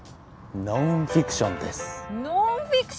ノンフィクション！